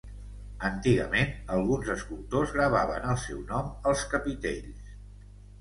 Antigament, alguns escultors gravaven el seu nom als capitells.